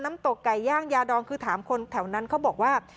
ตกไก่ย่างยาดองคือถามคนแถวนั้นเขาบอกว่า